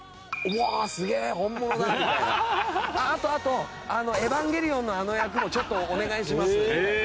あっあとあと『エヴァンゲリオン』のあの役もちょっとお願いしますみたいな。